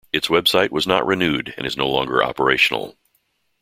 Its website was not renewed and is no longer operational.